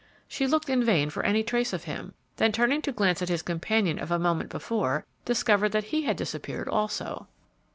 She looked in vain for any trace of him; then turning to glance at his companion of a moment before, discovered that he had disappeared also.